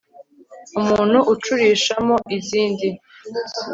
umuntu ucurishamo izindi